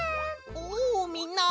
おうみんな！